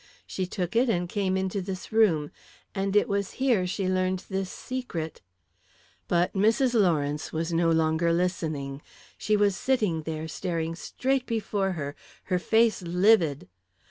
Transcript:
She took it and came into this room, and it was here she learned this secret " But Mrs. Lawrence was no longer listening. She was sitting there, staring straight before her, her face livid.